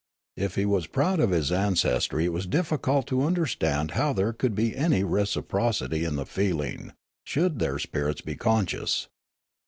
If he was proud of his ancestry it was difficult to understand how there could be any reciprocity in the feeling, should their spirits be conscious.